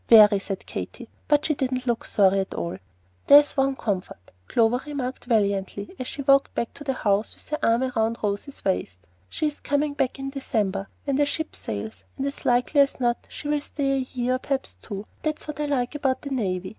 "Very!" said Katy; but she didn't look sorry at all. "There's one comfort," Clover remarked valiantly, as she walked back to the house with her arm round Rose's waist. "She's coming back in December, when the ship sails, and as likely as not she will stay a year, or perhaps two. That's what I like about the navy.